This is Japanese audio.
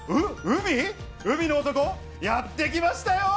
海の男、やって来ましたよ。